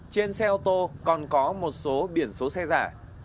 trên xe ô tô còn có một số biển số xe giả